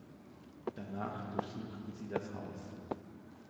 Danach durchsuchten sie das Haus.